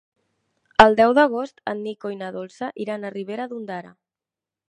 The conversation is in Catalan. El deu d'agost en Nico i na Dolça iran a Ribera d'Ondara.